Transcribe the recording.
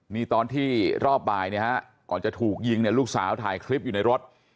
นี่ตอนที่รอบบ่ายเนี่ยฮะก่อนจะถูกยิงเนี่ยลูกสาวถ่ายคลิปอยู่ในรถ